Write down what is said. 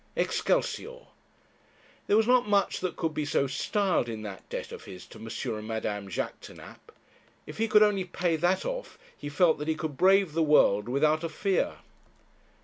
'Excelsior!' There was not much that could be so styled in that debt of his to M. and Madame Jaquêtanàpe. If he could only pay that off he felt that he could brave the world without a fear.